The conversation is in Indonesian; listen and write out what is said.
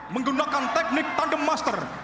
menggunakan teknik tandem master